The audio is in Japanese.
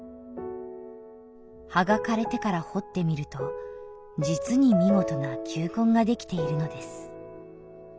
「葉が枯れてから掘ってみると実に見事な球根が出来ているのです」